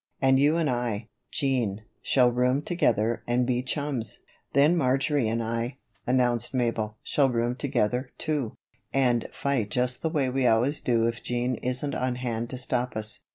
And you and I, Jean, shall room together and be chums." "Then Marjory and I," announced Mabel, "shall room together, too, and fight just the way we always do if Jean isn't on hand to stop us."